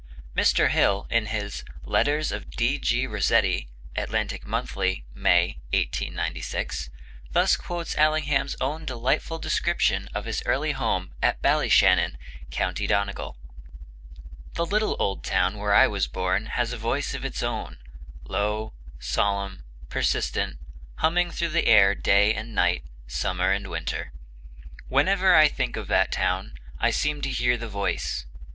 Mr. Hill, in his 'Letters of D.G. Rossetti' (Atlantic Monthly, May, 1896), thus quotes Allingham's own delightful description of his early home at Ballyshannon, County Donegal: "The little old town where I was born has a voice of its own, low, solemn, persistent, humming through the air day and night, summer and winter. Whenever I think of that town I seem to hear the voice.